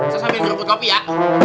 saya sambil jemput kopi ya